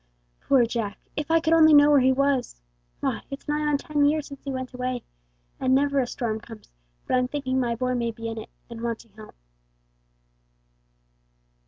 Poor Jack! If I could only know where he was. Why, it's nigh on ten years since he went away, and never a storm comes but I'm thinking my boy may be in it, and wanting help."